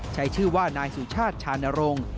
ใช้ชื่อว่านายสุชาติชานรงค์